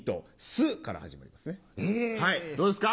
はいどうですか？